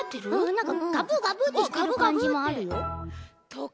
なんかガブガブってしてるかんじもあるよ。